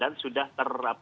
dan sudah terkendali